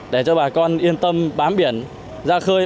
để cho bà con yên tâm bám biển ra khơi